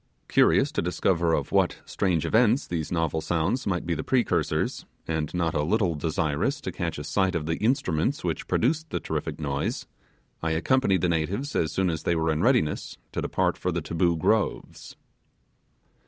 Curious to discover of what strange events these novel sounds might be the precursors, and not a little desirous to catch a sight of the instruments which produced the terrific noise, I accompanied the natives as soon as they were in readiness to depart for the Taboo Groves.